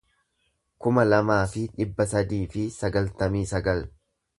kuma lamaa fi dhibba sadii fi sagaltamii sagal